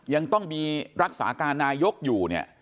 ยังต้องมีรักษาการนายกอยู่เนี่ย